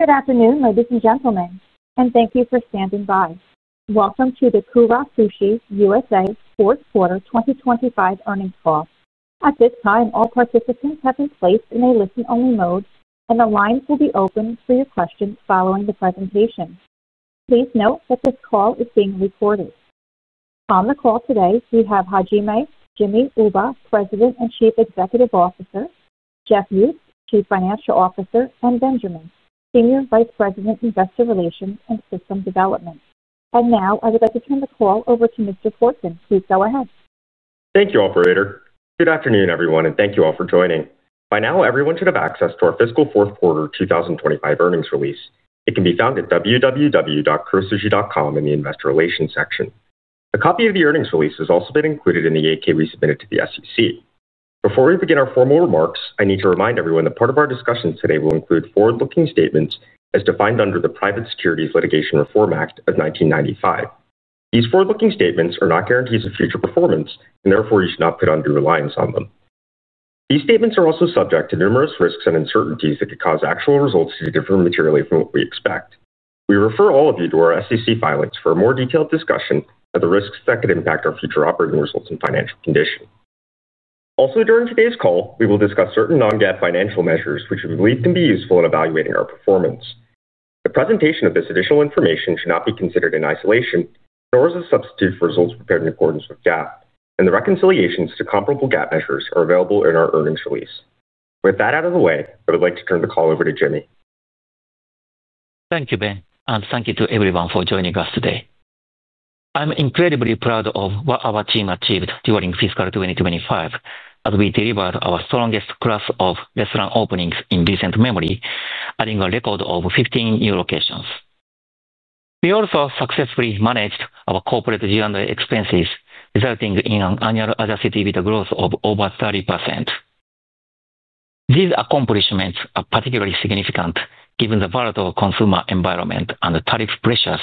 Good afternoon, ladies and gentlemen, and thank you for standing by. Welcome to the Kura Sushi USA fourth quarter 2025 earnings call. At this time, all participants have been placed in a listen-only mode, and the lines will be open for your questions following the presentation. Please note that this call is being recorded. On the call today, we have Hajime Jimmy Uba, President and Chief Executive Officer; Jeff Ubs, Chief Financial Officer; and Benjamin, Senior Vice President, Investor Relations and System Development. Now, I would like to turn the call over to Mr. Porten. Please go ahead. Thank you, Operator. Good afternoon, everyone, and thank you all for joining. By now, everyone should have access to our fiscal fourth quarter 2025 earnings release. It can be found at www.kurusushi.com in the Investor Relations section. A copy of the earnings release has also been included in the 8-K we submitted to the SEC. Before we begin our formal remarks, I need to remind everyone that part of our discussion today will include forward-looking statements as defined under the Private Securities Litigation Reform Act of 1995. These forward-looking statements are not guarantees of future performance, and therefore you should not put undue reliance on them. These statements are also subject to numerous risks and uncertainties that could cause actual results to differ materially from what we expect. We refer all of you to our SEC filings for a more detailed discussion of the risks that could impact our future operating results and financial condition. Also, during today's call, we will discuss certain non-GAAP financial measures which we believe can be useful in evaluating our performance. The presentation of this additional information should not be considered in isolation, nor as a substitute for results prepared in accordance with GAAP, and the reconciliations to comparable GAAP measures are available in our earnings release. With that out of the way, I would like to turn the call over to Jimmy. Thank you, Ben, and thank you to everyone for joining us today. I'm incredibly proud of what our team achieved during fiscal 2025 as we delivered our strongest class of restaurant openings in recent memory, adding a record of 15 new locations. We also successfully managed our corporate G&A expenses, resulting in an annual adjusted EBITDA growth of over 30%. These accomplishments are particularly significant given the volatile consumer environment and the tariff pressures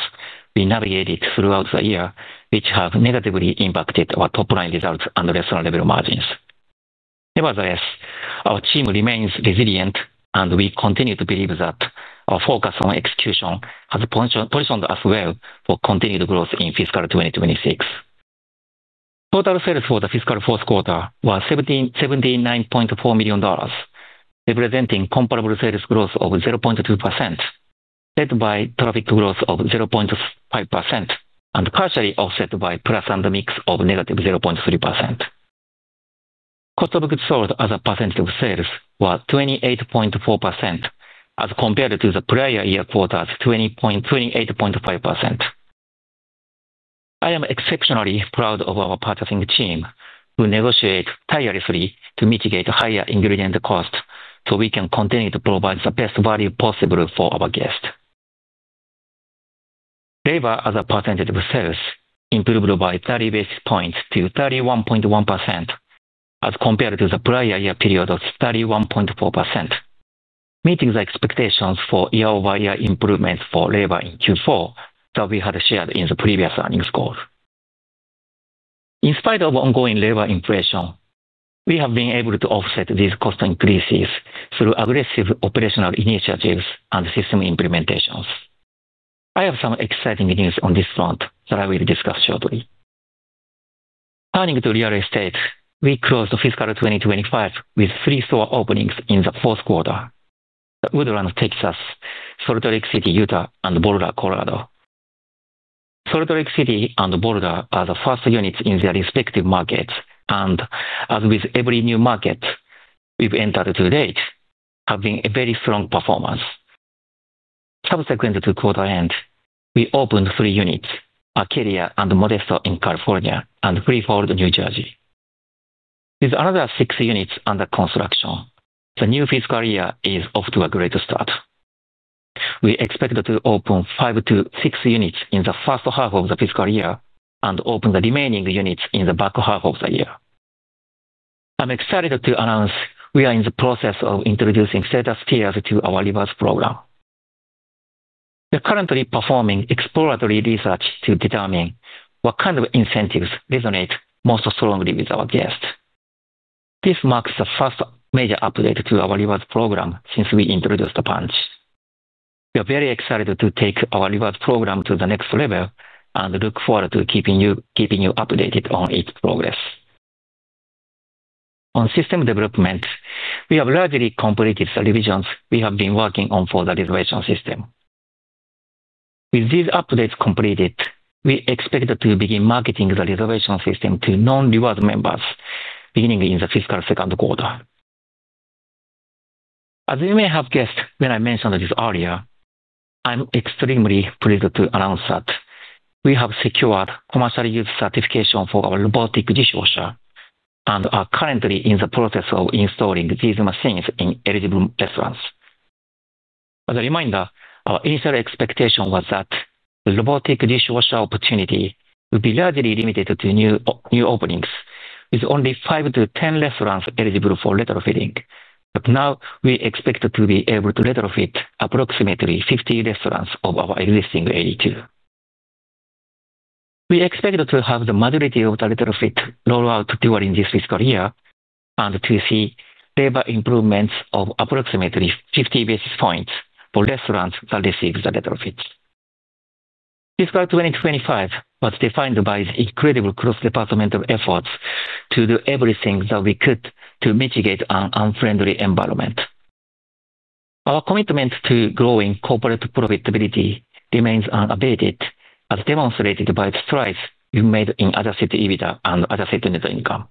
we navigated throughout the year, which have negatively impacted our top-line results and restaurant-level margins. Nevertheless, our team remains resilient, and we continue to believe that our focus on execution has positioned us well for continued growth in fiscal 2026. Total sales for the fiscal fourth quarter were $79.4 million, representing comparable sales growth of 0.2%, led by traffic growth of 0.5%, and partially offset by price and mix of -0.3%. Cost of goods sold as a percentage of sales were 28.4%, as compared to the prior year quarter's 28.5%. I am exceptionally proud of our purchasing team, who negotiate tirelessly to mitigate higher ingredient costs so we can continue to provide the best value possible for our guests. Labor as a percentage of sales improved by 30 basis points to 31.1%, as compared to the prior year period of 31.4%, meeting the expectations for year-over-year improvements for labor in Q4 that we had shared in the previous earnings call. In spite of ongoing labor inflation, we have been able to offset these cost increases through aggressive operational initiatives and system implementations. I have some exciting news on this front that I will discuss shortly. Turning to real estate, we closed fiscal 2025 with three store openings in the fourth quarter: Woodlands, Texas; Salt Lake City, Utah; and Boulder, Colorado. Salt Lake City and Boulder are the first units in their respective markets, and, as with every new market we've entered to date, have been very strong performers. Subsequent to quarter-end, we opened three units: Arcadia and Modesto in California and Freehold, New Jersey. With another six units under construction, the new fiscal year is off to a great start. We expect to open five to six units in the first half of the fiscal year and open the remaining units in the back half of the year. I'm excited to announce we are in the process of introducing status tiers to our rewards program. We're currently performing exploratory research to determine what kind of incentives resonate most strongly with our guests. This marks the first major update to our rewards program since we introduced the app. We are very excited to take our rewards program to the next level and look forward to keeping you updated on its progress. On system development, we have largely completed the revisions we have been working on for the reservation system. With these updates completed, we expect to begin marketing the reservation system to non-rewards members beginning in the fiscal second quarter. As you may have guessed when I mentioned this earlier, I'm extremely pleased to announce that we have secured commercial use certification for our robotic dishwasher and are currently in the process of installing these machines in eligible restaurants. As a reminder, our initial expectation was that the robotic dishwasher opportunity would be largely limited to new openings, with only five to ten restaurants eligible for retrofitting, but now we expect to be able to retrofit approximately 50 restaurants of our existing 82. We expect to have the majority of the retrofit rolled out during this fiscal year and to see labor improvements of approximately 50 basis points for restaurants that receive the retrofit. Fiscal 2025 was defined by the incredible cross-departmental efforts to do everything that we could to mitigate an unfriendly environment. Our commitment to growing corporate profitability remains unabated, as demonstrated by the strides we've made in adjusted EBITDA and adjusted net income.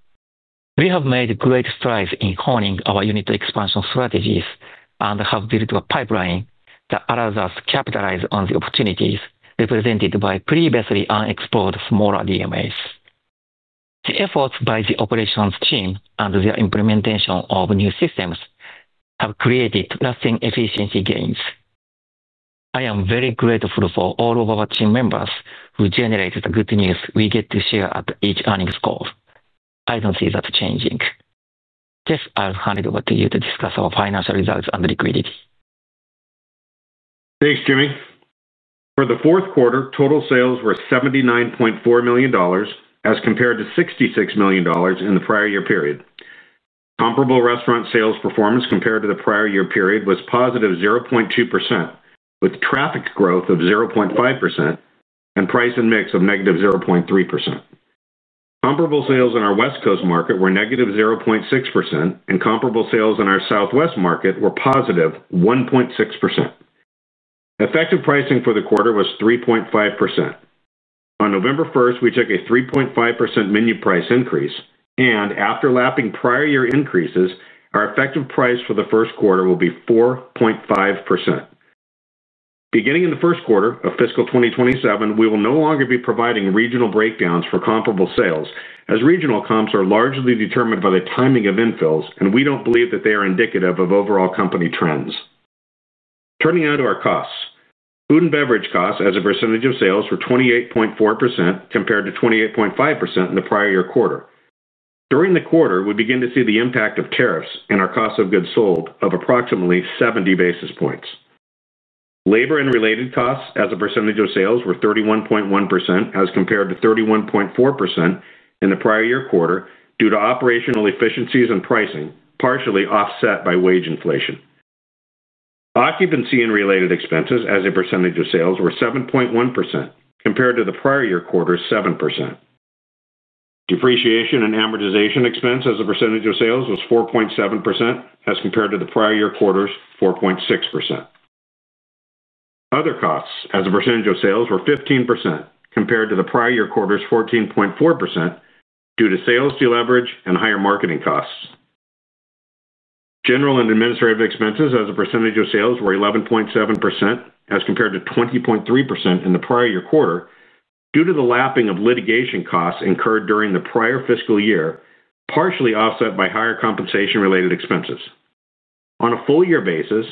We have made great strides in honing our unit expansion strategies and have built a pipeline that allows us to capitalize on the opportunities represented by previously unexplored smaller DMAs. The efforts by the operations team and the implementation of new systems have created lasting efficiency gains. I am very grateful for all of our team members who generated the good news we get to share at each earnings call. I don't see that changing. Jeff, I'll hand it over to you to discuss our financial results and liquidity. Thanks, Jimmy. For the fourth quarter, total sales were $79.4 million as compared to $66 million in the prior year period. Comparable restaurant sales performance compared to the prior year period was positive 0.2%, with traffic growth of 0.5% and price and mix of negative 0.3%. Comparable sales in our West Coast market were negative 0.6%, and comparable sales in our Southwest market were positive 1.6%. Effective pricing for the quarter was 3.5%. On November 1st, we took a 3.5% menu price increase, and after lapping prior year increases, our effective price for the first quarter will be 4.5%. Beginning in the first quarter of fiscal 2027, we will no longer be providing regional breakdowns for comparable sales, as regional comps are largely determined by the timing of infills, and we don't believe that they are indicative of overall company trends. Turning now to our costs. Food and beverage costs as a percentage of sales were 28.4% compared to 28.5% in the prior year quarter. During the quarter, we began to see the impact of tariffs and our cost of goods sold of approximately 70 basis points. Labor and related costs as a percentage of sales were 31.1% as compared to 31.4% in the prior year quarter due to operational efficiencies and pricing, partially offset by wage inflation. Occupancy and related expenses as a percentage of sales were 7.1% compared to the prior year quarter's 7%. Depreciation and amortization expense as a percentage of sales was 4.7% as compared to the prior year quarter's 4.6%. Other costs as a percentage of sales were 15% compared to the prior year quarter's 14.4% due to sales deleverage and higher marketing costs. General and administrative expenses as a percentage of sales were 11.7% as compared to 20.3% in the prior year quarter due to the lapping of litigation costs incurred during the prior fiscal year, partially offset by higher compensation-related expenses. On a full-year basis,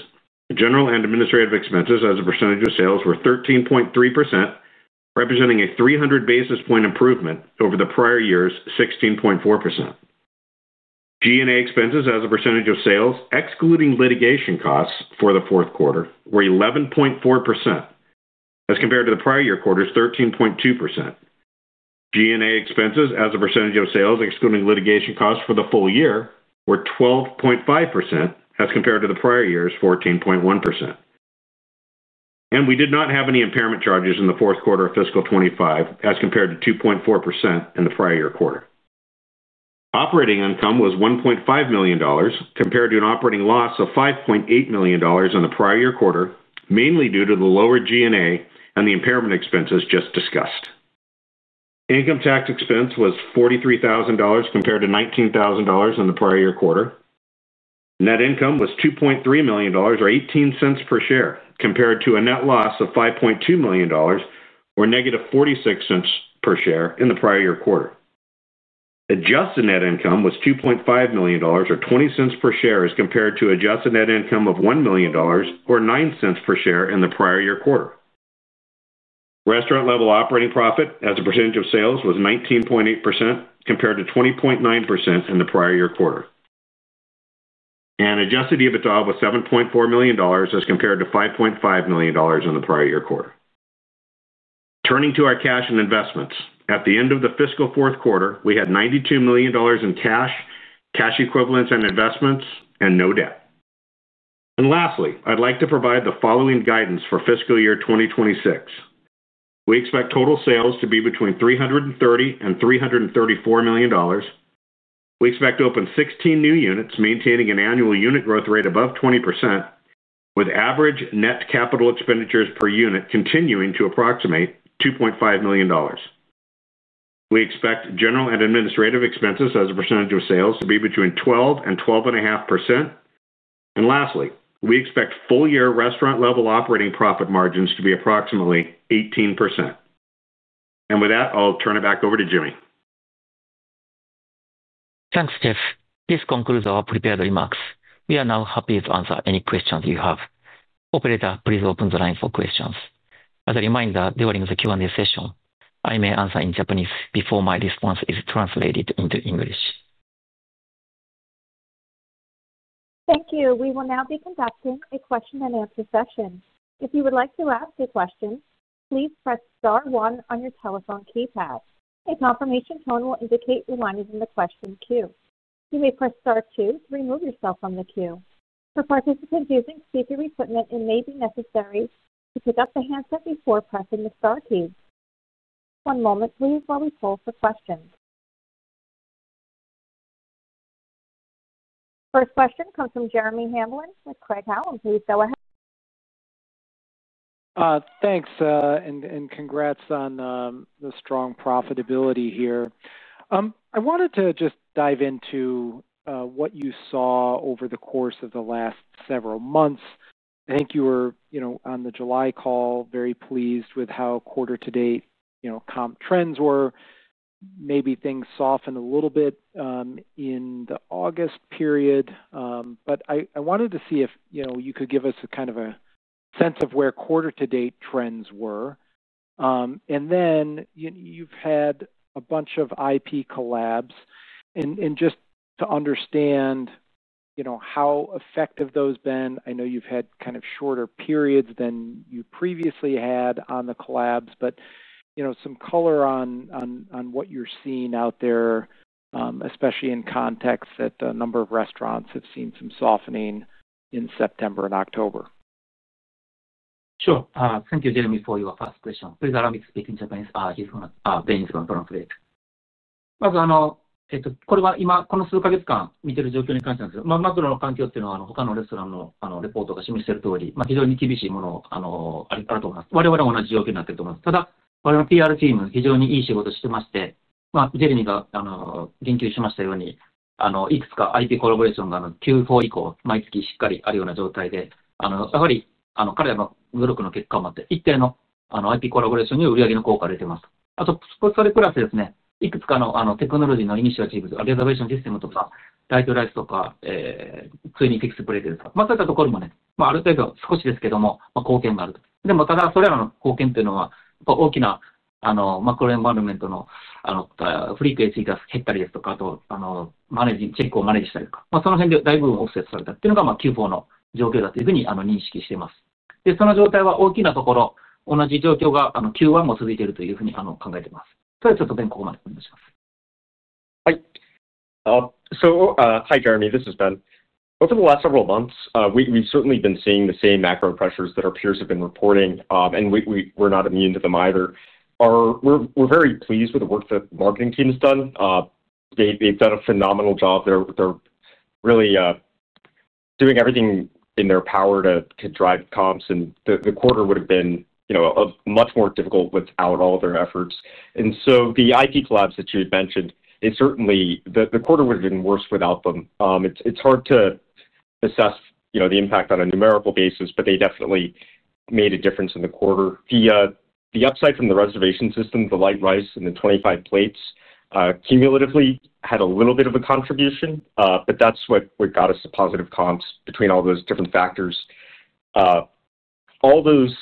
general and administrative expenses as a percentage of sales were 13.3%, representing a 300 basis point improvement over the prior year's 16.4%. G&A expenses as a percentage of sales, excluding litigation costs for the fourth quarter, were 11.4% as compared to the prior year quarter's 13.2%. G&A expenses as a percentage of sales, excluding litigation costs for the full year, were 12.5% as compared to the prior year's 14.1%. We did not have any impairment charges in the fourth quarter of fiscal 25 as compared to 2.4% in the prior year quarter. Operating income was $1.5 million compared to an operating loss of $5.8 million in the prior year quarter, mainly due to the lower G&A and the impairment expenses just discussed. Income tax expense was $43,000 compared to $19,000 in the prior year quarter. Net income was $2.3 million or 18 cents per share compared to a net loss of $5.2 million or negative 46 cents per share in the prior year quarter. Adjusted net income was $2.5 million or 20 cents per share as compared to adjusted net income of $1 million or 9 cents per share in the prior year quarter. Restaurant-level operating profit as a percentage of sales was 19.8% compared to 20.9% in the prior year quarter. Adjusted EBITDA was $7.4 million as compared to $5.5 million in the prior year quarter. Turning to our cash and investments, at the end of the fiscal fourth quarter, we had $92 million in cash, cash equivalents, and investments, and no debt. Lastly, I'd like to provide the following guidance for fiscal year 2026. We expect total sales to be between $330 and $334 million. We expect to open 16 new units, maintaining an annual unit growth rate above 20%, with average net capital expenditures per unit continuing to approximate $2.5 million. We expect general and administrative expenses as a percentage of sales to be between 12% and 12.5%. Lastly, we expect full-year restaurant-level operating profit margins to be approximately 18%. With that, I'll turn it back over to Jimmy. Thanks, Jeff. This concludes our prepared remarks. We are now happy to answer any questions you have. Operator, please open the line for questions. As a reminder, during the Q&A session, I may answer in Japanese before my response is translated into English. Thank you. We will now be conducting a question-and-answer session. If you would like to ask a question, please press Star 1 on your telephone keypad. A confirmation tone will indicate you're in line in the question queue. You may press Star 2 to remove yourself from the queue. For participants using speaker equipment, it may be necessary to pick up the handset before pressing the Star key. One moment, please, while we poll for questions. First question comes from Jeremy Hamlin with Craig Howell. Please go ahead. Thanks, and congrats on the strong profitability here. I wanted to just dive into what you saw over the course of the last several months. I think you were on the July call very pleased with how quarter-to-date comp trends were. Maybe things softened a little bit in the August period. But I wanted to see if you could give us a sense of where quarter-to-date trends were. And then you've had a bunch of IP collabs, and just to understand how effective those have been. I know you've had shorter periods than you previously had on the collabs, but some color on what you're seeing out there, especially in context that a number of restaurants have seen some softening in September and October. Sure. Thank you, Jeremy, for your first question. Please, allow me to speak in Japanese. He's going to be in his own translator. Hi, Jeremy. This is Ben. Over the last several months, we've certainly been seeing the same macro pressures that our peers have been reporting, and we're not immune to them either. We're very pleased with the work that the marketing team has done. They've done a phenomenal job. They're doing everything in their power to drive comps, and the quarter would have been much more difficult without all their efforts. The IP collabs that you had mentioned, certainly the quarter would have been worse without them. It's hard to assess the impact on a numerical basis, but they definitely made a difference in the quarter. The upside from the reservation system, the light rice and the 25 plates cumulatively had a little bit of a contribution, but that's what got us to positive comps between all those different factors. All those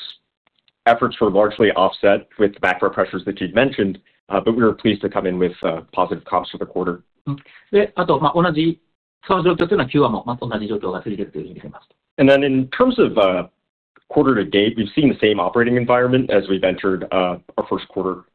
efforts were largely offset with the macro pressures that you've mentioned, but we were pleased to come in with positive comps for the quarter. あと、同じその状況というのはQ1も同じ状況が続いているというふうに見てます。In terms of quarter to date, we've seen the same operating environment as we've entered our first quarter.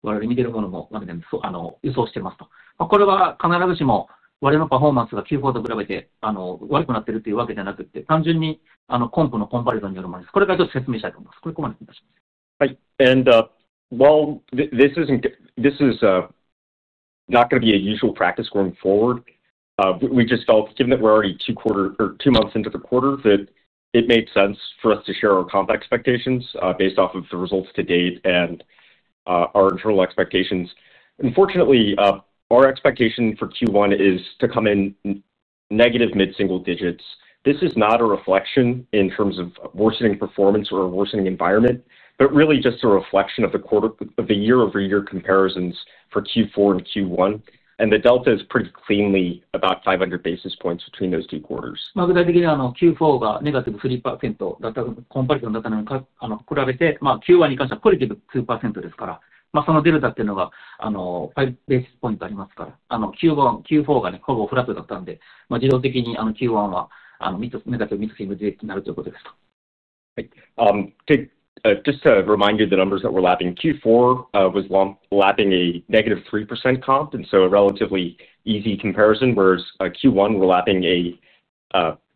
あと、ついでにですね、コンプのことに関してある程度情報をシェアしてもらったということなんで、これいつもやらないんですけど、今回ちょっとやらせていただきますと、我々のQ1のコンプのエクスペクテーションです。残念ながら年間次ぐのミックスシングルデジットレベル、この辺りを今2ヶ月経ってね、我々見てるものも予想してますと。これは必ずしも我々のパフォーマンスがQ4と比べて悪くなってるっていうわけじゃなくて、単純にコンプのコンパリゾンによるものです。これからちょっと説明したいと思います。これここまでお願いします。While this is not going to be a usual practice going forward, we just felt, given that we're already two months into the quarter, that it made sense for us to share our comp expectations based off of the results to date and our internal expectations. Unfortunately, our expectation for Q1 is to come in negative mid-single digits. This is not a reflection in terms of worsening performance or a worsening environment, but really just a reflection of the year-over-year comparisons for Q4 and Q1, and the delta is pretty cleanly about 500 basis points between those two quarters. まず、だいぶQ4がネガティブ3%だったコンパリゾンだったのに比べて、Q1に関してはポジティブ2%ですから、そのデルタっていうのが5ベーシスポイントありますから、Q4がほぼフラットだったんで、自動的にQ1はネガティブミックスシングルデジットになるということです。Just to remind you, the numbers that we're lapping, Q4 was lapping a negative 3% comp, and so a relatively easy comparison, whereas Q1 we're lapping a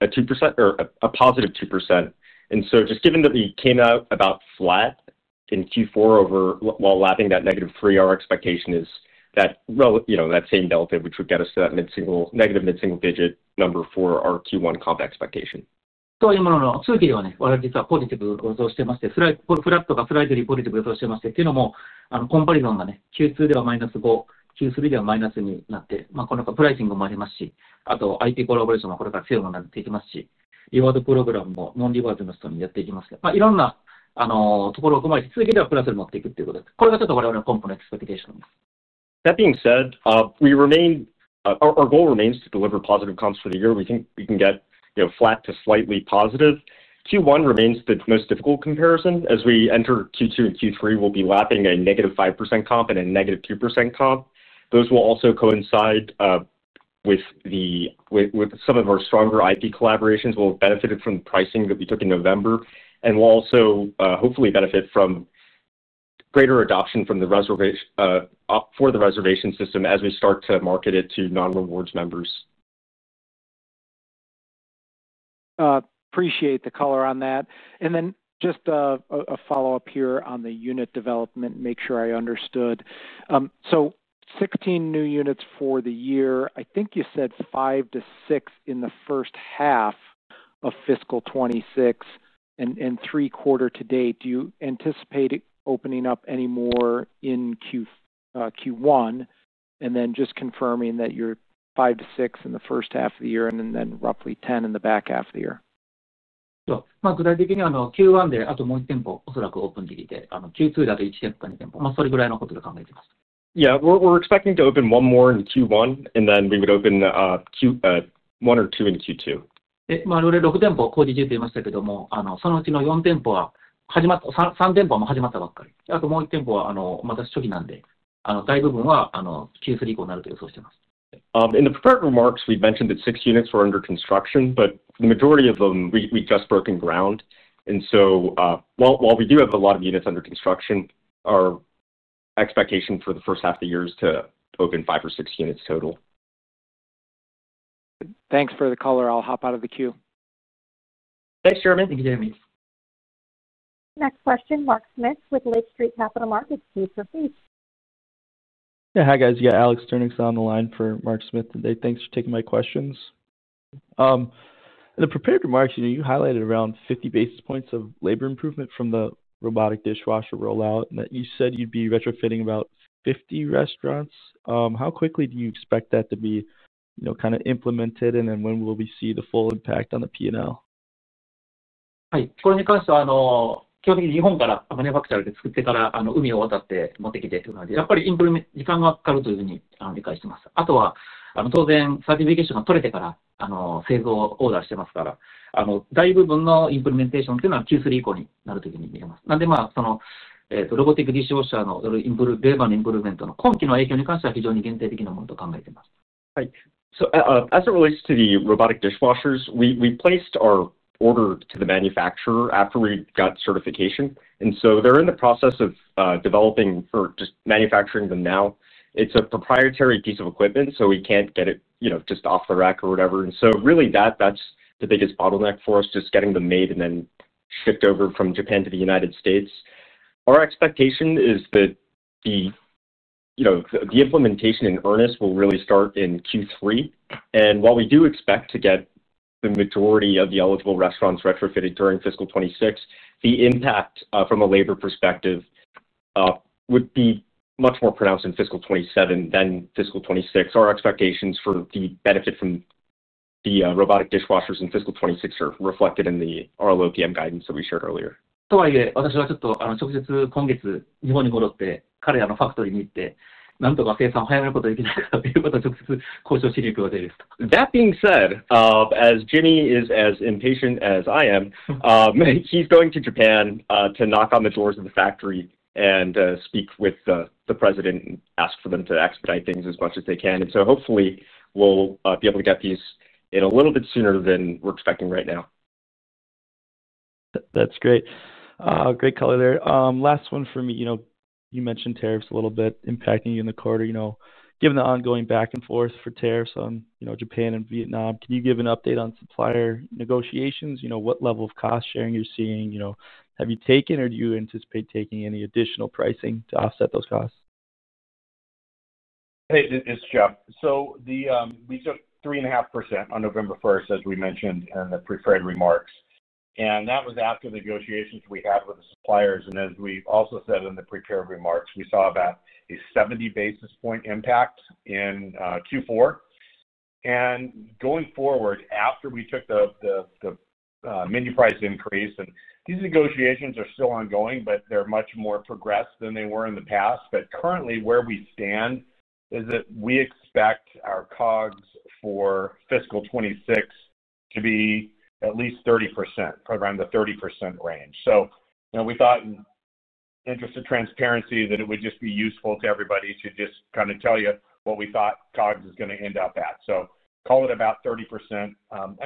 2% or a positive 2%. And so just given that we came out about flat in Q4 while lapping that negative 3%, our expectation is that same delta which would get us to that negative mid-single digit number for our Q1 comp expectation. というものの、通期では我々実はポジティブ予想してまして、フラットかスライトリーポジティブ予想してまして。というのもコンパリゾンがQ2ではマイナス5%、Q3ではマイナスになって、このプライシングもありますし、IPコラボレーションもこれから強いものになっていきますし、リワードプログラムもノンリワードの人にやっていきます。いろんなところを踏まえて、通期ではプラスに持っていくということです。これがちょっと我々のコンプのエクスペクテーションです。That being said, our goal remains to deliver positive comps for the year. We think we can get flat to slightly positive. Q1 remains the most difficult comparison. As we enter Q2 and Q3, we'll be lapping a negative 5% comp and a negative 2% comp. Those will also coincide with some of our stronger IP collaborations, will have benefited from the pricing that we took in November, and will also hopefully benefit from greater adoption for the reservation system as we start to market it to non-rewards members. Appreciate the color on that. And then just a follow-up here on the unit development, make sure I understood. So 16 new units for the year. I think you said five to six in the first half of fiscal 26. And three quarter to date, do you anticipate opening up any more in Q1? And then just confirming that you're five to six in the first half of the year and then roughly 10 in the back half of the year. まず、だいぶQ1であともう1店舗おそらくオープン時期で、Q2だと1店舗か2店舗、それぐらいのことで考えてます。Yeah, we're expecting to open one more in Q1, and then we would open one or two in Q2. 我々6店舗工事中と言いましたけども、そのうちの4店舗は始まった、3店舗も始まったばっかり。あともう1店舗はまだ初期なんで、大部分はQ3以降になると予想してます。In the prepared remarks, we've mentioned that six units were under construction, but the majority of them we just broke ground. So while we do have a lot of units under construction, our expectation for the first half of the year is to open five or six units total. Thanks for the color. I'll hop out of the queue. Thanks, Jeremy. Thank you, Jeremy. Next question, Mark Smith with Lake Street Capital Markets, please proceed. Yeah, hi guys. Yeah, Alex Dernick's on the line for Mark Smith today. Thanks for taking my questions. In the prepared remarks, you highlighted around 50 basis points of labor improvement from the robotic dishwasher rollout, and that you said you'd be retrofitting about 50 restaurants. How quickly do you expect that to be implemented, and then when will we see the full impact on the P&L? はい、これに関しては基本的に日本からマニュファクチャーで作ってから海を渡って持ってきてという感じで、やっぱりインプリメント時間がかかるというふうに理解してます。あとは当然サーティフィケーションが取れてから製造オーダーしてますから、大部分のインプリメンテーションというのはQ3以降になると見えます。ロボティックディッシュウォッシャーのベーバーのインプリメントの今期の影響に関しては非常に限定的なものと考えてます。Hi. As it relates to the robotic dishwashers, we placed our order to the manufacturer after we got certification. So they're in the process of developing or just manufacturing them now. It's a proprietary piece of equipment, so we can't get it just off the rack or whatever. So really, that's the biggest bottleneck for us, just getting them made and then shipped over from Japan to the United States. Our expectation is that the implementation in earnest will really start in Q3. While we do expect to get the majority of the eligible restaurants retrofitted during fiscal 26, the impact from a labor perspective would be much more pronounced in fiscal 27 than fiscal 26. Our expectations for the benefit from the robotic dishwashers in fiscal 26 are reflected in the RLOPM guidance that we shared earlier. とはいえ、私はちょっと直接今月日本に戻って、彼らのファクトリーに行って、なんとか生産を早めることができないかということを直接交渉しに行く予定です。That being said, as Jimmy is as impatient as I am, he's going to Japan to knock on the doors of the factory and speak with the president and ask for them to expedite things as much as they can. And so hopefully, we'll be able to get these in a little bit sooner than we're expecting right now. That's great. Great color there. Last one for me. You mentioned tariffs a little bit impacting you in the quarter. Given the ongoing back and forth for tariffs on Japan and Vietnam, can you give an update on supplier negotiations? What level of cost sharing you're seeing? Have you taken or do you anticipate taking any additional pricing to offset those costs? Hey, it's Jeff. We took 3.5% on November 1st, as we mentioned in the prepared remarks. That was after the negotiations we had with the suppliers. As we also said in the prepared remarks, we saw about a 70 basis point impact in Q4. Going forward, after we took the menu price increase, and these negotiations are still ongoing, but they're much more progressed than they were in the past. Currently, where we stand is that we expect our COGS for fiscal 26 to be at least 30%, around the 30% range. We thought in interest of transparency that it would just be useful to everybody to just kind of tell you what we thought COGS is going to end up at. Call it about 30%.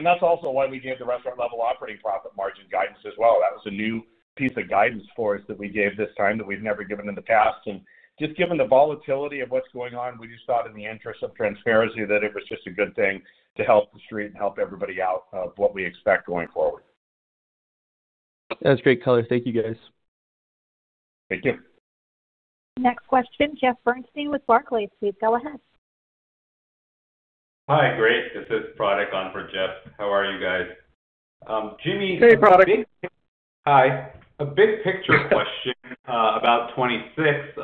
That's also why we gave the restaurant-level operating profit margin guidance as well. That was a new piece of guidance for us that we gave this time that we've never given in the past. Just given the volatility of what's going on, we just thought in the interest of transparency that it was just a good thing to help the street and help everybody out of what we expect going forward. That's great color. Thank you, guys. Thank you. Next question, Jeff Bernstein with Barclays. Please go ahead. Hi, great. This is Product On for Jeff. How are you guys? Hey, Product. Hi. A big picture question about 2026.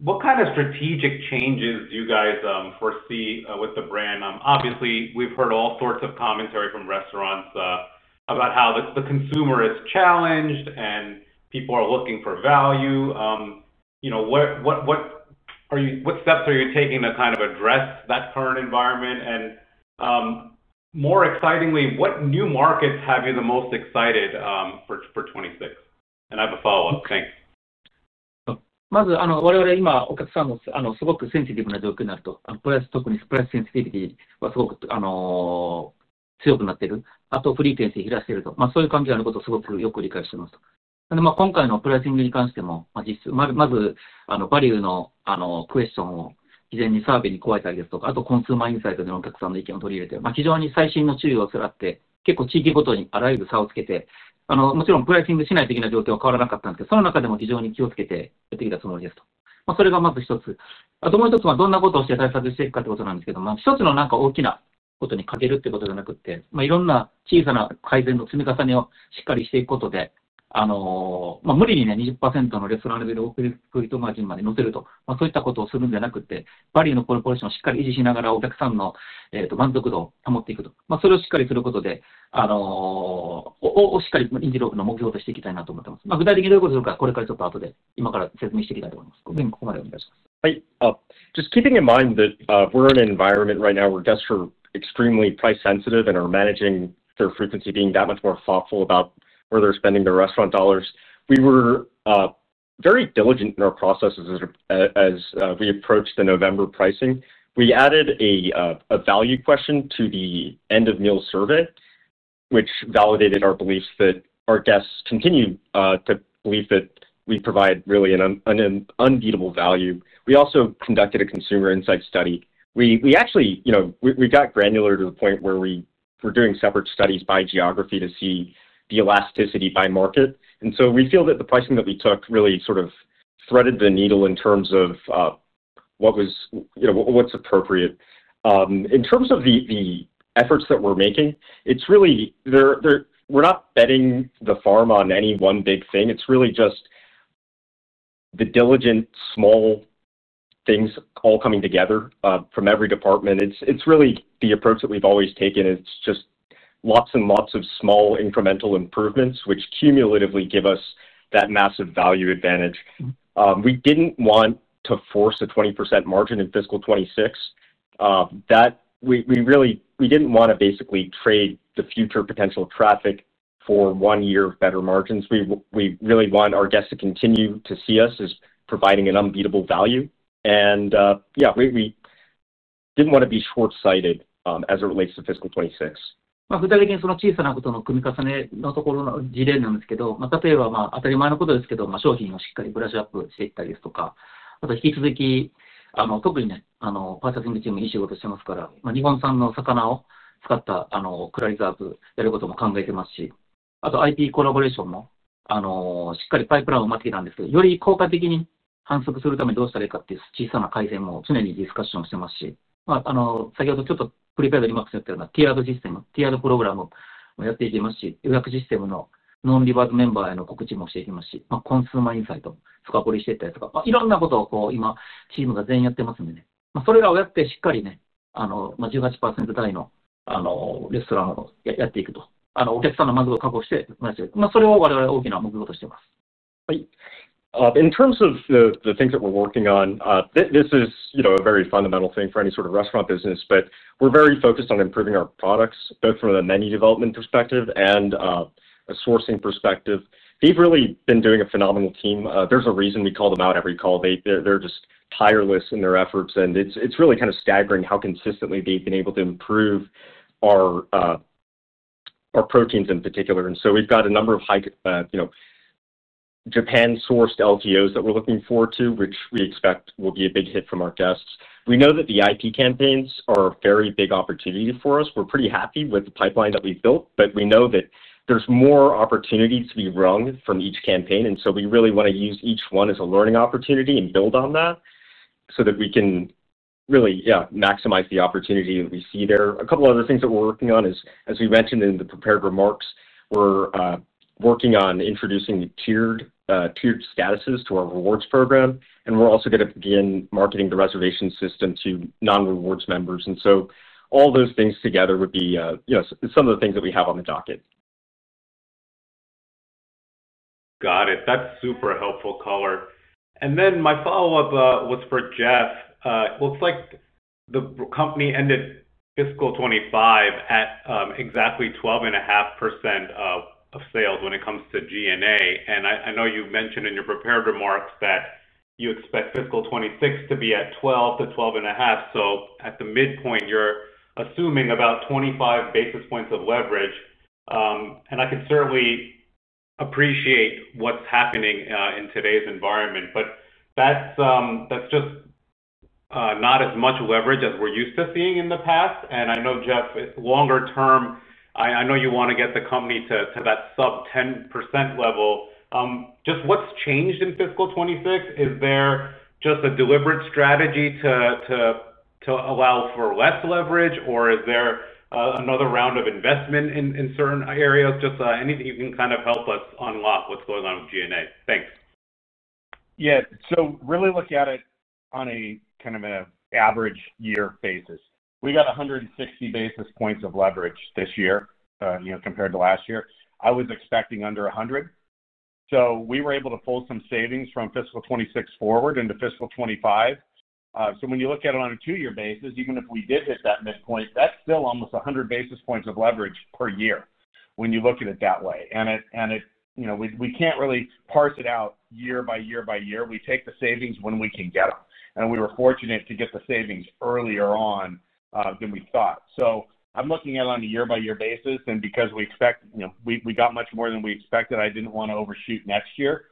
What kind of strategic changes do you guys foresee with the brand? Obviously, we've heard all sorts of commentary from restaurants about how the consumer is challenged and people are looking for value. What steps are you taking to address that current environment? And more excitingly, what new markets have you the most excited for 2026? And I have a follow-up. Thanks. Hi. Just keeping in mind that we're in an environment right now where guests are extremely price sensitive and are managing their frequency, being that much more thoughtful about where they're spending their restaurant dollars. We were very diligent in our processes as we approached the November pricing. We added a value question to the end-of-meal survey, which validated our beliefs that our guests continue to believe that we provide really an unbeatable value. We also conducted a consumer insight study. We actually got granular to the point where we were doing separate studies by geography to see the elasticity by market. So we feel that the pricing that we took really sort of threaded the needle in terms of what's appropriate. In terms of the efforts that we're making, it's really we're not betting the farm on any one big thing. It's really just the diligent small things all coming together from every department. It's really the approach that we've always taken. It's just lots and lots of small incremental improvements, which cumulatively give us that massive value advantage. We didn't want to force a 20% margin in fiscal 26. We didn't want to basically trade the future potential traffic for one year of better margins. We really want our guests to continue to see us as providing an unbeatable value. Yeah, we didn't want to be short-sighted as it relates to fiscal 26. In terms of the things that we're working on, this is a very fundamental thing for any sort of restaurant business, but we're very focused on improving our products, both from the menu development perspective and a sourcing perspective. They've really been doing a phenomenal team. There's a reason we call them out every call. They're just tireless in their efforts, and it's really kind of staggering how consistently they've been able to improve our proteins in particular. We've got a number of Japan-sourced LTOs that we're looking forward to, which we expect will be a big hit from our guests. We know that the IP campaigns are a very big opportunity for us. We're pretty happy with the pipeline that we've built, but we know that there's more opportunities to be run from each campaign. We really want to use each one as a learning opportunity and build on that so that we can really maximize the opportunity that we see there. A couple of other things that we're working on is, as we mentioned in the prepared remarks, we're working on introducing tiered statuses to our rewards program, and we're also going to begin marketing the reservation system to non-rewards members. All those things together would be some of the things that we have on the docket. Got it. That's super helpful color. My follow-up was for Jeff. It looks like the company ended fiscal 25 at exactly 12.5% of sales when it comes to G&A. I know you mentioned in your prepared remarks that you expect fiscal 26 to be at 12% to 12.5%. So at the midpoint, you're assuming about 25 basis points of leverage. I can certainly appreciate what's happening in today's environment, but that's not as much leverage as we're used to seeing in the past. I know, Jeff, longer term, I know you want to get the company to that sub-10% level. What's changed in fiscal 26? Is there a deliberate strategy to allow for less leverage, or is there another round of investment in certain areas? Anything you can help us unlock what's going on with G&A. Thanks. So really looking at it on a kind of an average year basis, we got 160 basis points of leverage this year compared to last year. I was expecting under 100. We were able to pull some savings from fiscal 26 forward into fiscal 25. When you look at it on a two-year basis, even if we did hit that midpoint, that's still almost 100 basis points of leverage per year when you look at it that way. We can't really parse it out year by year by year. We take the savings when we can get them. We were fortunate to get the savings earlier on than we thought. I'm looking at it on a year-by-year basis. Because we got much more than we expected, I didn't want to overshoot next year.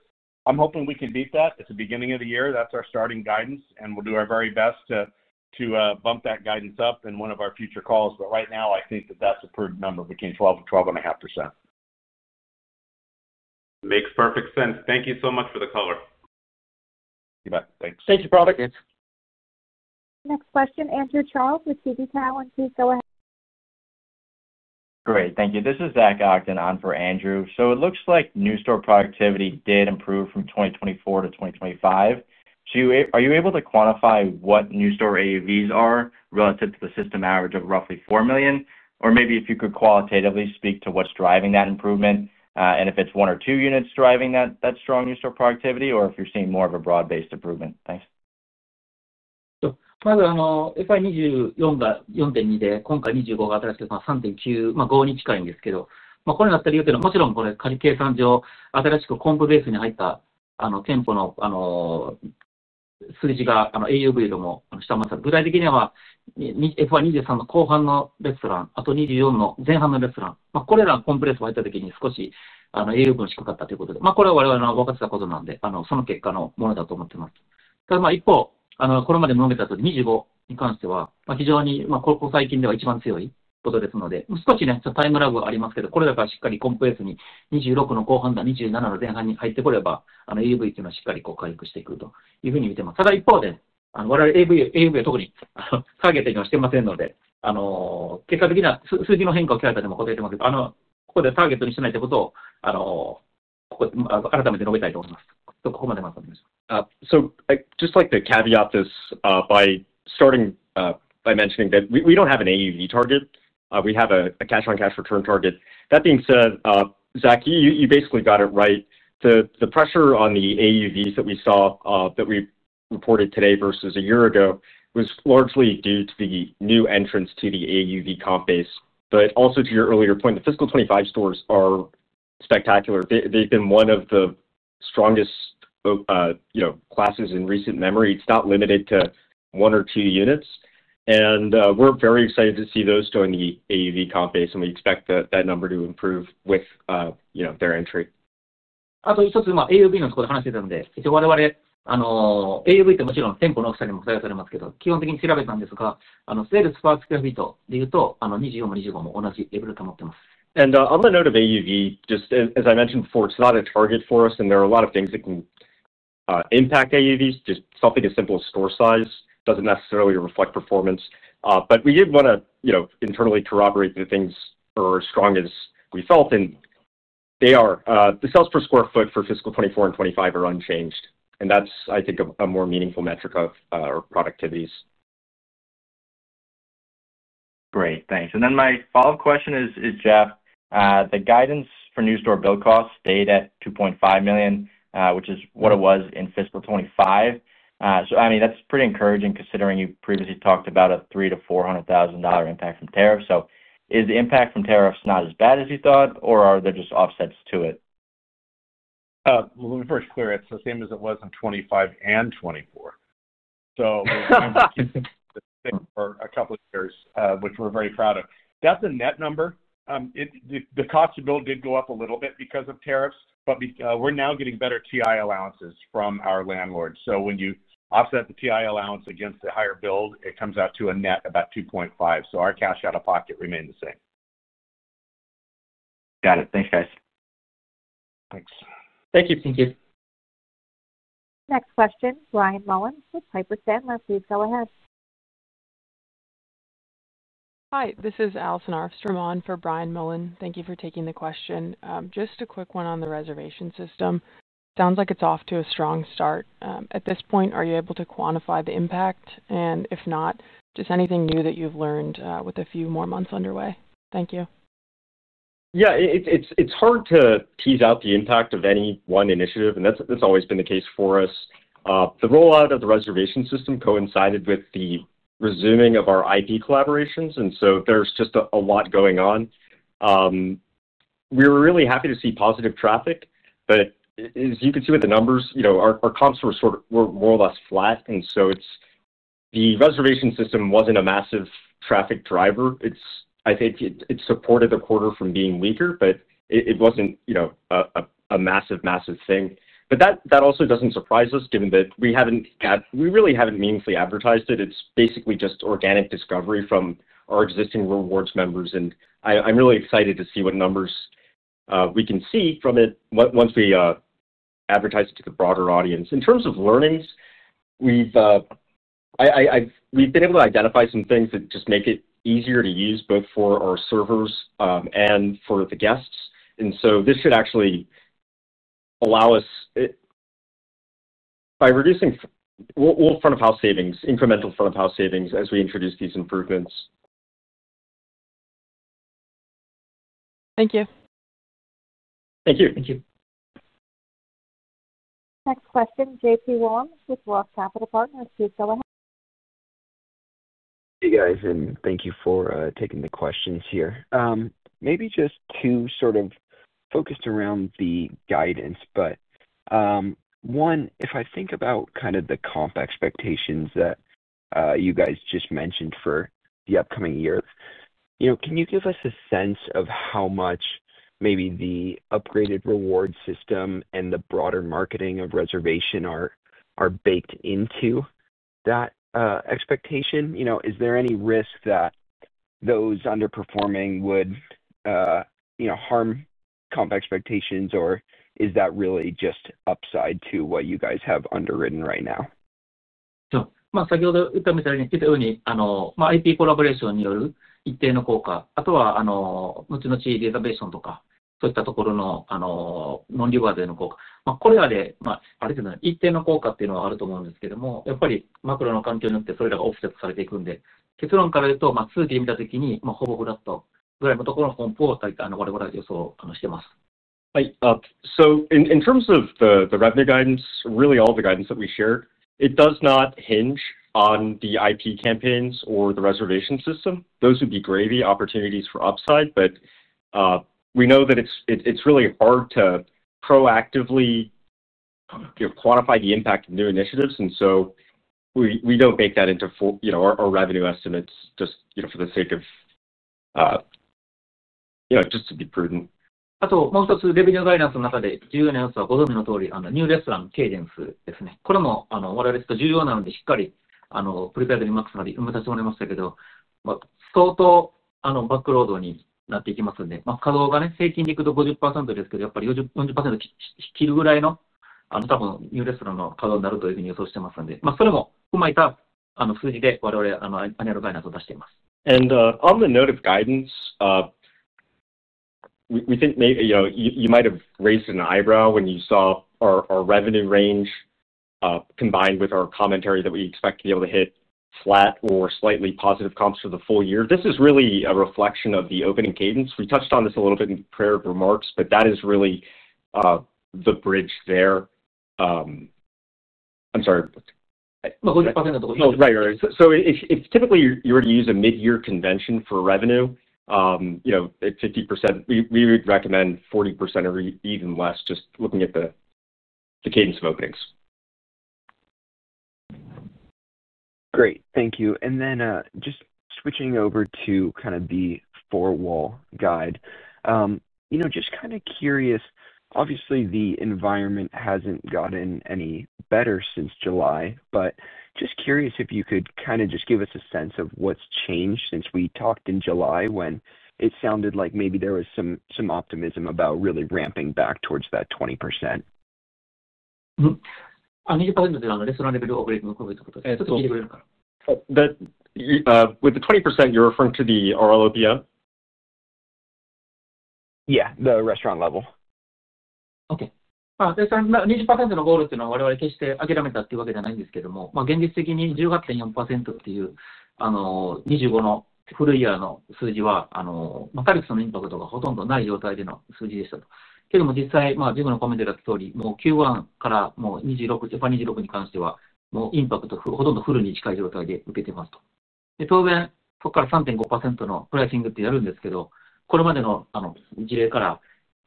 I'm hoping we can beat that at the beginning of the year. That's our starting guidance. We'll do our very best to bump that guidance up in one of our future calls. Right now, I think that that's a proved number between 12% and 12.5%. Makes perfect sense. Thank you so much for the color. You bet. Thanks. Thank you, Product. Next question, Andrew Charles with Cowen. Please go ahead. Great. Thank you. This is Zach Ogden on for Andrew. It looks like new store productivity did improve from 2024 to 2025. Are you able to quantify what new store AUVs are relative to the system average of roughly $4 million? Or maybe if you could qualitatively speak to what's driving that improvement and if it's one or two units driving that strong new store productivity or if you're seeing more of a broad-based improvement. Thanks. I'd just like to caveat this by starting by mentioning that we don't have an AUV target. We have a cash-on-cash return target. That being said, Zach, you basically got it right. The pressure on the AUVs that we saw that we reported today versus a year ago was largely due to the new entrance to the AUV comp base. But also to your earlier point, the fiscal 25 stores are spectacular. They've been one of the strongest classes in recent memory. It's not limited to one or two units. We're very excited to see those go in the AUV comp base, and we expect that number to improve with their entry. あと、一つAUVのところで話していたので、我々。AUVってもちろん店舗の大きさにも左右されますけど、基本的に調べたんですが、セールスパーツクラフトで言うと24も25も同じレベルと思ってます。On the note of AUV, just as I mentioned before, it's not a target for us. There are a lot of things that can impact AUVs. Just something as simple as store size doesn't necessarily reflect performance. But we did want to internally corroborate the things for as strong as we felt. They are. The sales per square foot for fiscal 24 and 25 are unchanged. That's, I think, a more meaningful metric of our productivities. Great. Thanks. My follow-up question is, Jeff, the guidance for new store build costs stayed at $2.5 million, which is what it was in fiscal 25. That's pretty encouraging considering you previously talked about a $300,000 to $400,000 impact from tariffs. Is the impact from tariffs not as bad as you thought, or are there just offsets to it? Let me first clear it. Same as it was in 2025 and 2024. So we've been in the same for a couple of years, which we're very proud of. That's a net number. The cost to build did go up a little bit because of tariffs, but we're now getting better TI allowances from our landlords. So when you offset the TI allowance against the higher build, it comes out to a net about $2.5 million. So our cash out of pocket remained the same. Got it. Thanks, guys. Thanks. Thank you. Next question, Brian Mullen. Please go ahead. Hi. This is Allison R. Sturmohn for Brian Mullen. Thank you for taking the question. Just a quick one on the reservation system. Sounds like it's off to a strong start. At this point, are you able to quantify the impact? And if not, just anything new that you've learned with a few more months underway? Thank you. It's hard to tease out the impact of any one initiative, and that's always been the case for us. The rollout of the reservation system coincided with the resuming of our IP collaborations. There's just a lot going on. We were really happy to see positive traffic. But as you can see with the numbers, our comps were more or less flat. The reservation system wasn't a massive traffic driver. I think it supported the quarter from being weaker, but it wasn't a massive, massive thing. But that also doesn't surprise us given that we really haven't meaningfully advertised it. It's basically just organic discovery from our existing rewards members. I'm really excited to see what numbers we can see from it once we advertise it to the broader audience. In terms of learnings, we've been able to identify some things that just make it easier to use both for our servers and for the guests. This should actually allow us incremental front-of-house savings by reducing front-of-house costs as we introduce these improvements. Thank you. Thank you. Thank you. Next question, JP Wong with Wealth Capital Partners. Please go ahead. Hey, guys. Thank you for taking the questions here. Maybe just to sort of focus around the guidance. One, if I think about kind of the comp expectations that you guys just mentioned for the upcoming year, can you give us a sense of how much maybe the upgraded reward system and the broader marketing of reservation are baked into that expectation? Is there any risk that those underperforming would harm comp expectations, or is that really just upside to what you guys have underwritten right now? そう。まず先ほど言ったみたいに、言ったようにIPコラボレーションによる一定の効果、あとは後々データベースとかそういったところのノンリワードへの効果、これらである程度の一定の効果っていうのはあると思うんですけども、やっぱりマクロの環境によってそれらがオフセットされていくんで、結論から言うと数字で見た時にほぼフラットぐらいのところのコンプを我々は予想してます。In terms of the revenue guidance, really all the guidance that we shared, it does not hinge on the IP campaigns or the reservation system. Those would be gravy opportunities for upside. We know that it's really hard to proactively quantify the impact of new initiatives. We don't make that into our revenue estimates just for the sake of being prudent. あと、もう一つレベニューガイダンスの中で重要な要素はご存知の通りニューレストランケイデンスですね。これも我々として重要なのでしっかりプリペアドにマックスまで埋め立ててもらいましたけど、相当バックロードになっていきますんで、稼働が平均でいくと50%ですけど、やっぱり40%引き切るぐらいの多分ニューレストランの稼働になるというふうに予想してますんで、それも踏まえた数字で我々はアニュアルガイダンスを出しています。On the note of guidance, we think you might have raised an eyebrow when you saw our revenue range, combined with our commentary that we expect to be able to hit flat or slightly positive comps for the full year. This is really a reflection of the opening cadence. We touched on this a little bit in the prepared remarks, but that is really the bridge there. 50% of the whole year. Right. So if typically you were to use a mid-year convention for revenue at 50%, we would recommend 40% or even less just looking at the cadence of openings. Great. Thank you. Then just switching over to kind of the four-wall guide. Just kind of curious, obviously the environment hasn't gotten any better since July, but just curious if you could kind of just give us a sense of what's changed since we talked in July when it sounded like maybe there was some optimism about really ramping back towards that 20%. あの、20%のレストランレベルを上げていくこと、ちょっと聞いてくれるかな。With the 20%, you're referring to the RLOPM? Yeah. The restaurant level.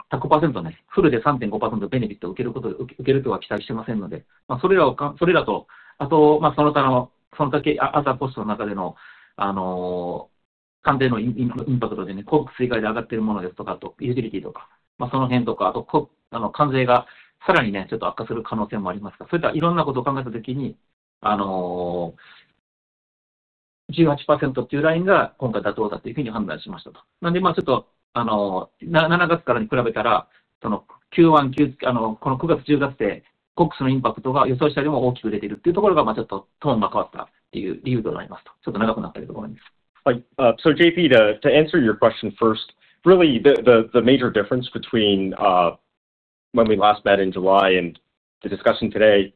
あ、20%のゴールっていうのは我々決して諦めたっていうわけではないんですけども、現実的に18.4%っていう25のフルイヤーの数字は、カルクスのインパクトがほとんどない状態での数字でした。けども実際、ジムのコメントであった通り、もうQ1からもう26、FY-26に関してはもうインパクトほとんどフルに近い状態で受けてます。当然そこから3.5%のプライシングってやるんですけど、これまでの事例から100%、フルで3.5%ベネフィットを受けることを期待してませんので、それらとあとその他のその他アザーコストの中での関税のインパクトで広告追加で上がってるものですとか、ユーティリティとかその辺とか、あと関税がさらにちょっと悪化する可能性もあります。そういったいろんなことを考えた時に18%っていうラインが今回妥当だというふうに判断しました。なんで7月からに比べたらQ1、この9月、10月でコックスのインパクトが予想したよりも大きく出てるっていうところがちょっとトーンが変わったっていう理由となります。ちょっと長くなったけどごめんなさい。JP, to answer your question first, really the major difference between when we last met in July and the discussion today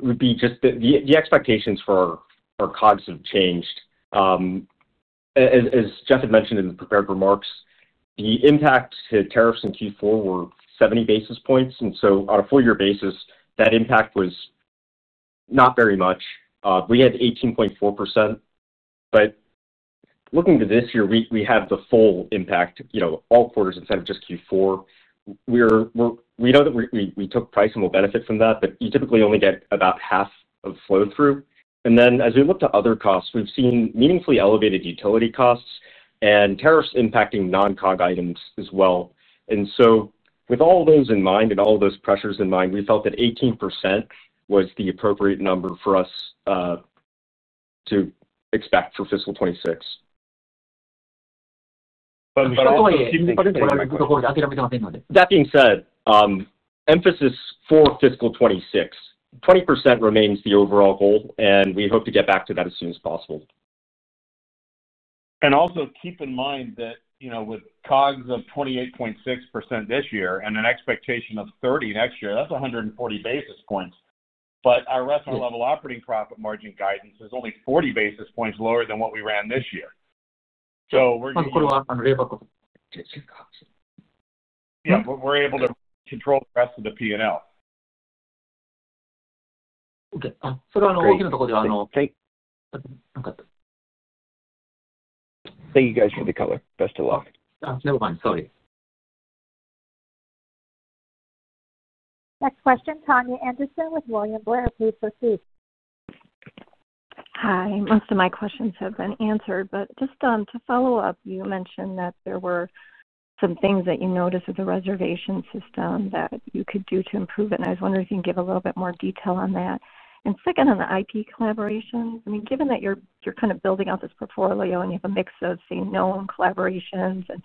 would be just the expectations for COGS have changed. As Jeff had mentioned in the prepared remarks, the impact to tariffs in Q4 were 70 basis points. On a four-year basis, that impact was not very much. We had 18.4%. But looking to this year, we have the full impact, all quarters instead of just Q4. We know that we took price and we'll benefit from that, but you typically only get about half of flow-through. As we look to other costs, we've seen meaningfully elevated utility costs and tariffs impacting non-COG items as well. With all those in mind and all those pressures in mind, we felt that 18% was the appropriate number for us to expect for fiscal 26. That being said. Emphasis for fiscal 26, 20% remains the overall goal, and we hope to get back to that as soon as possible. Also keep in mind that with COGS of 28.6% this year and an expectation of 30% next year, that's 140 basis points. But our restaurant-level operating profit margin guidance is only 40 basis points lower than what we ran this year. So we're using. これはあのレバコ。Yeah. We're able to control the rest of the P&L. それは大きなところでは。Thank you guys for the color. Best of luck. Never mind. Sorry. Next question, Tanya Anderson with William Blair. Please proceed. Hi. Most of my questions have been answered. But just to follow up, you mentioned that there were some things that you noticed with the reservation system that you could do to improve it. I was wondering if you can give a little bit more detail on that. Second, on the IP collaborations, I mean, given that you're kind of building out this portfolio and you have a mix of, say, known collaborations and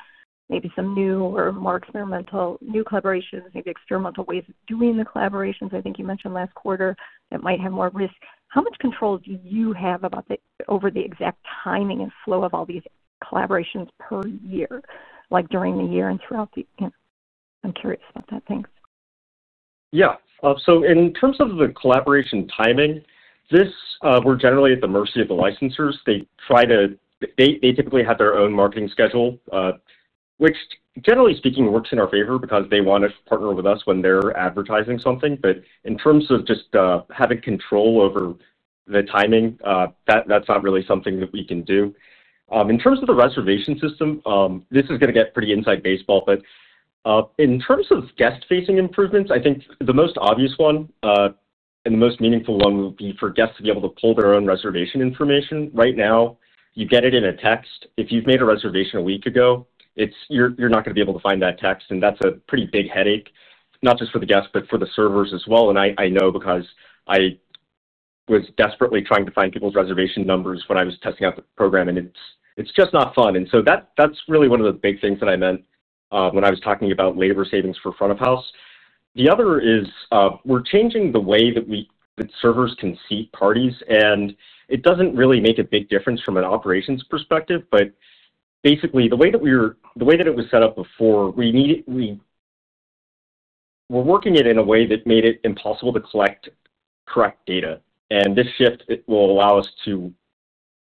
maybe some new or more experimental new collaborations, maybe experimental ways of doing the collaborations, I think you mentioned last quarter that might have more risk. How much control do you have over the exact timing and flow of all these collaborations per year, like during the year and throughout the year? I'm curious about that. Thanks. In terms of the collaboration timing, we're generally at the mercy of the licensers. They typically have their own marketing schedule, which generally speaking, works in our favor because they want to partner with us when they're advertising something. But in terms of just having control over the timing, that's not really something that we can do. In terms of the reservation system, this is going to get pretty inside baseball. But in terms of guest-facing improvements, I think the most obvious one and the most meaningful one would be for guests to be able to pull their own reservation information. Right now, you get it in a text. If you've made a reservation a week ago, you're not going to be able to find that text. That's a pretty big headache, not just for the guests, but for the servers as well. I know because I was desperately trying to find people's reservation numbers when I was testing out the program, and it's just not fun. That's really one of the big things that I meant when I was talking about labor savings for front-of-house. The other is we're changing the way that servers can see parties. It doesn't really make a big difference from an operations perspective. But basically, the way that we were, the way that it was set up before, we were working it in a way that made it impossible to collect correct data. This shift will allow us to,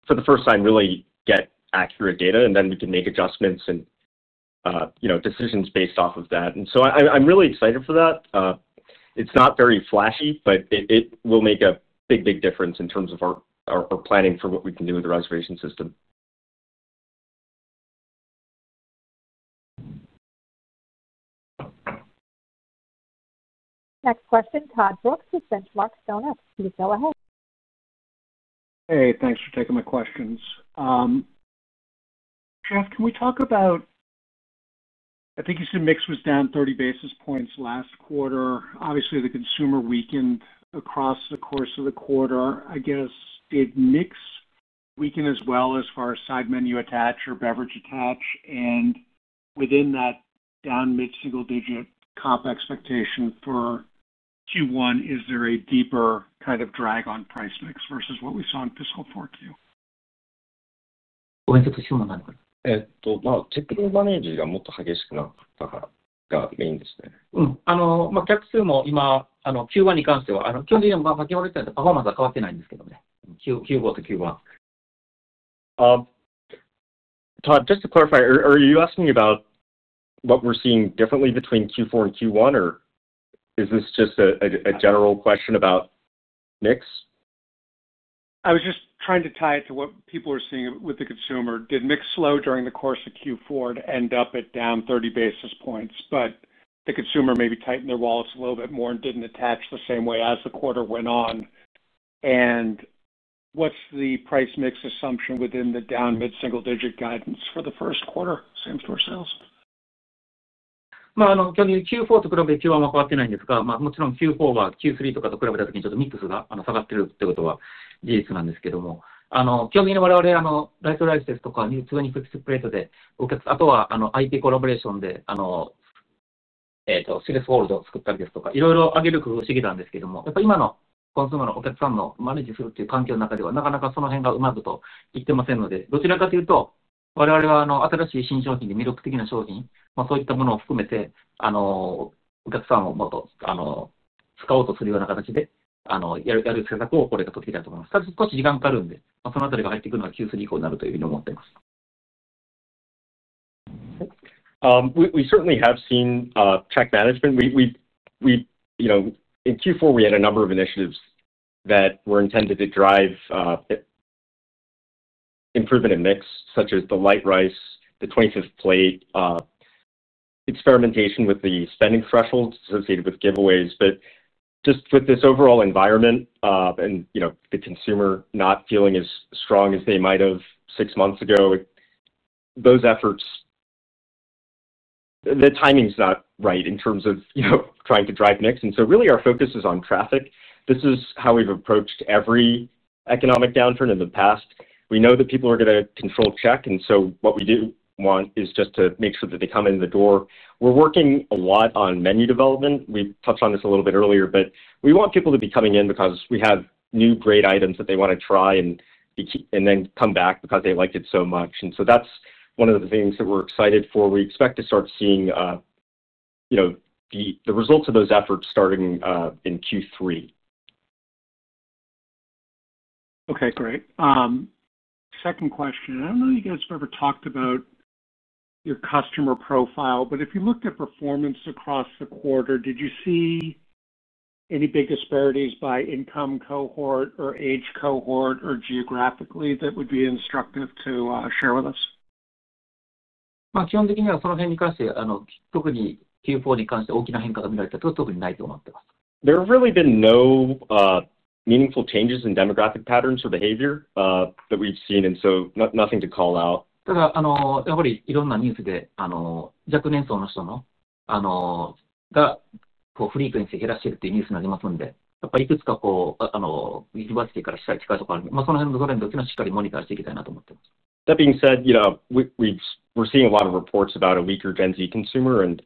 for the first time, really get accurate data, and then we can make adjustments and decisions based off of that. I'm really excited for that. It's not very flashy, but it will make a big, big difference in terms of our planning for what we can do with the reservation system. Next question, Todd Brooks with Benchmark StoneX. Please go ahead. Hey, thanks for taking my questions. Jeff, can we talk about... I think you said mix was down 30 basis points last quarter. Obviously, the consumer weakened across the course of the quarter. I guess did mix weaken as well as far as side menu attach or beverage attach? And within that down mid-single-digit comp expectation for Q1, is there a deeper kind of drag on price mix versus what we saw in fiscal 4Q? お返事、どうしようかな。えっと、まあ、チップのマネージがもっと激しく。だからがメインですね。うん。客数も今、Q1に関しては基本的には先ほど言ったようにパフォーマンスは変わってないんですけどね、Q4とQ1。Todd, just to clarify, are you asking about what we're seeing differently between Q4 and Q1, or is this just a general question about mix? I was just trying to tie it to what people are seeing with the consumer. Did mix slow during the course of Q4 to end up at down 30 basis points, but the consumer maybe tightened their wallets a little bit more and didn't attach the same way as the quarter went on? What's the price mix assumption within the down mid-single-digit guidance for the first quarter same store sales? まあ、あの、逆にQ4と比べてQ1は変わってないんですが、もちろんQ4はQ3とかと比べた時にちょっとミックスが下がってるってことは事実なんですけども、基本的に我々ライトライフですとか2-in-6プレートで、あとはIPコラボレーションで、シルエットホールドを作ったりですとか、いろいろ上げる工夫をしてきたんですけども、やっぱり今のコンシューマーのお客さんのマネージするっていう環境の中ではなかなかその辺がうまくいってませんので、どちらかというと我々は新しい新商品で魅力的な商品、そういったものを含めて、お客さんをもっと使おうとするような形でやる施策をこれから取っていきたいと思います。ただ、少し時間がかかるんで、そのあたりが入ってくるのはQ3以降になるというふうに思ってます。We certainly have seen tech management. In Q4, we had a number of initiatives that were intended to drive improvement in mix, such as the light rice, the 25th plate, experimentation with the spending thresholds associated with giveaways. But just with this overall environment and the consumer not feeling as strong as they might have six months ago, those efforts, the timing's not right in terms of trying to drive mix. So really our focus is on traffic. This is how we've approached every economic downturn in the past. We know that people are going to control check. What we do want is just to make sure that they come in the door. We're working a lot on menu development. We've touched on this a little bit earlier, but we want people to be coming in because we have new great items that they want to try and then come back because they liked it so much. That's one of the things that we're excited for. We expect to start seeing the results of those efforts starting in Q3. Great. Second question. I don't know if you guys have ever talked about your customer profile, but if you looked at performance across the quarter, did you see any big disparities by income cohort or age cohort or geographically that would be instructive to share with us? 基本的にはその辺に関して、特にQ4に関して大きな変化が見られたことは特にないと思ってます。There have really been no meaningful changes in demographic patterns or behavior that we've seen, and so nothing to call out. ただ、やっぱりいろんなニュースで若年層の人のフリークエンシーが減らしてるっていうニュースになりますんで、やっぱりいくつかユニバーシティからしたら近いところあるんで、その辺のトレンドをしっかりモニターしていきたいなと思ってます。That being said, we're seeing a lot of reports about a weaker Gen Z consumer, and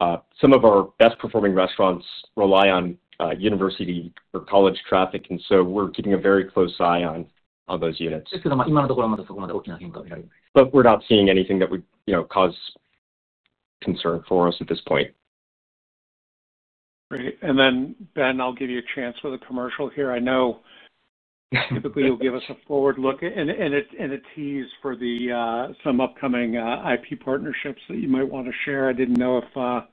some of our best-performing restaurants rely on university or college traffic. So we're keeping a very close eye on those units. ですけど、今のところまだそこまで大きな変化は見られてない。But we're not seeing anything that would cause concern for us at this point. Great. And then, Ben, I'll give you a chance for the commercial here. I know typically you'll give us a forward look and a tease for some upcoming IP partnerships that you might want to share. I didn't know if,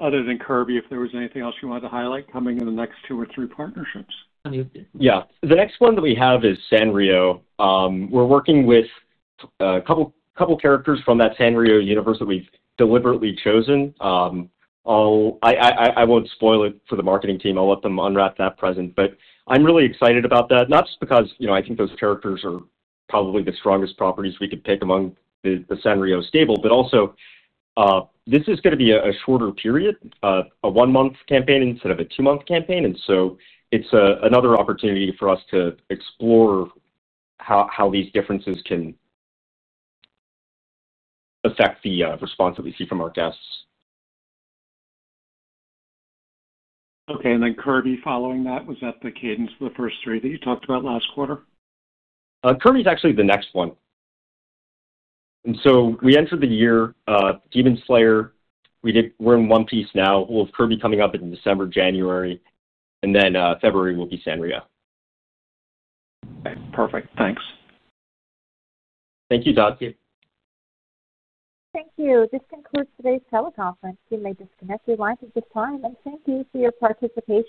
other than Kirby, if there was anything else you wanted to highlight coming in the next two or three partnerships. Yeah. The next one that we have is Sanrio. We're working with a couple of characters from that Sanrio universe that we've deliberately chosen. I won't spoil it for the marketing team. I'll let them unwrap that present. But I'm really excited about that, not just because I think those characters are probably the strongest properties we could pick among the Sanrio stable, but also this is going to be a shorter period, a one-month campaign instead of a two-month campaign. So it's another opportunity for us to explore how these differences can affect the response that we see from our guests. Okay. And then Kirby following that, was that the cadence of the first three that you talked about last quarter? Kirby is actually the next one. We entered the year Demon Slayer. We're in One Piece now. We'll have Kirby coming up in December, January, and then February will be Sanrio. Okay. Perfect. Thanks. Thank you, Todd. Thank you. Thank you. This concludes today's teleconference. You may disconnect your lines at this time. Thank you for your participation.